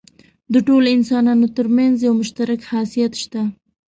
د ټولو انسانانو تر منځ یو مشترک خاصیت شته.